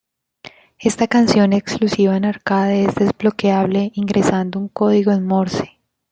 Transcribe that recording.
Esta canción exclusiva en arcade es desbloqueable ingresando un código en morse.